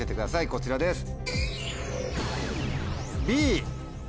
こちらです。